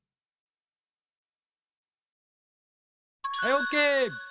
はいオーケー！